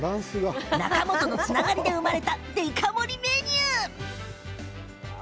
仲間とのつながりで生まれたデカ盛りメニュー。